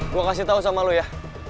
gue kasih tau sama lo ya